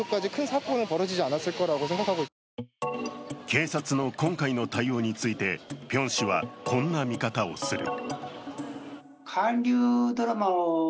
警察の今回の対応について、辺氏はこんな見方をする。